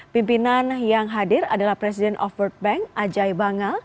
pimpinan yang hadir adalah presiden of world bank ajai banga